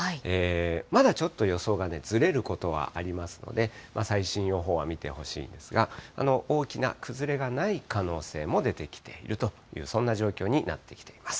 まだちょっと予想がずれることはありますので、最新予報は見てほしいんですが、大きな崩れがない可能性も出てきているという、そんな状況になってきています。